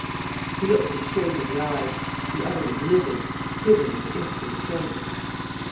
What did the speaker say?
He looked him straight in the eyes. The other was livid, quivering with impotent strength.